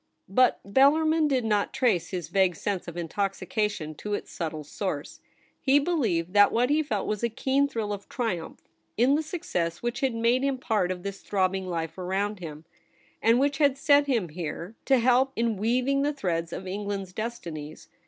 But Bellarmin did not trace his vague sense of intoxication to its subtle source. He be lieved that what he felt was a keen thrill of triumph in the success which had made him part of this throbbing life around him, and which had set him here to help in weaving the threads of England's destinies.